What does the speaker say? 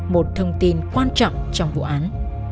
một thông tin quan trọng trong vụ án